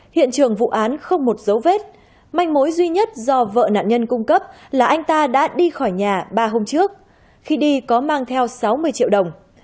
hiện trường vụ án không một dấu vết manh mối duy nhất do vợ nạn nhân cung cấp là anh ta đã đi khỏi nhà ba hôm trước khi đi có mang theo sáu mươi triệu đồng